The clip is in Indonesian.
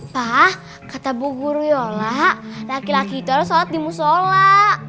wah kata bu guru yola laki laki itu adalah sholat di musola